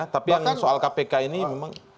tapi yang soal kpk ini memang